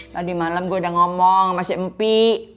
tadi malam gue udah ngomong sama si empi